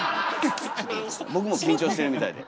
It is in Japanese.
僕も緊張してるみたいで。